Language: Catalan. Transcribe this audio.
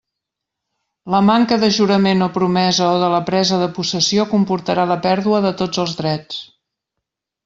La manca de jurament o promesa o de la presa de possessió comportarà la pèrdua de tots els drets.